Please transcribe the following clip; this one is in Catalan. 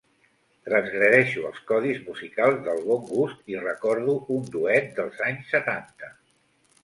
Transgredeixo els codis musicals del bon gust i recordo un duet dels anys setanta.